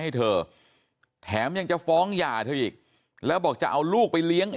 ให้เธอแถมยังจะฟ้องหย่าเธออีกแล้วบอกจะเอาลูกไปเลี้ยง